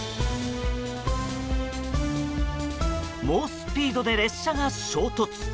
猛スピードで列車が衝突。